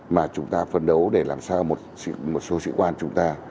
mà chúng ta phấn đấu để làm sao một số sĩ quan chúng ta